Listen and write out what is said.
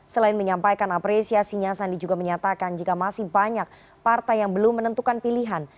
selain menyampaikan apresiasinya sandi juga menyatakan jika masih banyak partai yang belum menentukan pilihan